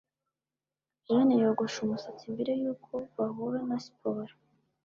jane yogoshe umusatsi mbere yuko bahura na siporo